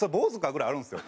ぐらいあるんですよ。